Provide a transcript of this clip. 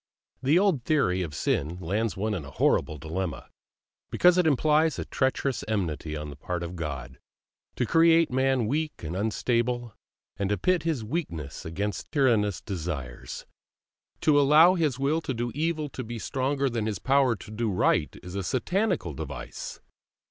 The old theory of sin lands one in a horrible dilemma, because it implies a treacherous enmity on the part of God, to create man weak and unstable, and to pit his weakness against tyrannous desires; to allow his will to do evil to be stronger than his power to do right, is a satanical device.